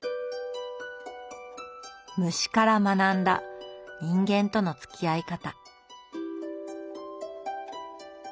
虫から学んだ人間とのつきあい方。